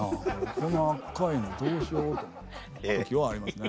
この赤いのどうしようと思う時はありますね。